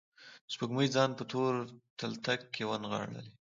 سپوږمۍ ځان په تور تلتک کې ونغاړلي